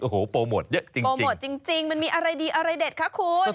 โอ้โหโปรโมทเยอะจริงมันมีอะไรดีอะไรเด็ดคะคุณ